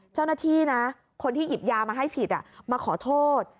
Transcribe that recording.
เจ้าหน้าที่นะคนที่หยิบยามาให้ผิดมาขอโทษ